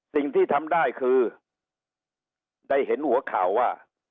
สิ่งที่ทำได้คือได้เห็นหัวข่าวว่า